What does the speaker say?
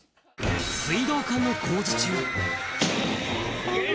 水道管の工事中。